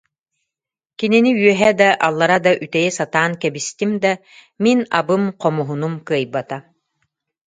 Кинини үөһэ да, аллара да үтэйэ сатаан кэбистим да, мин абым-хомуһунум кыайбата